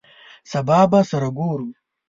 سبا به سره ګورو !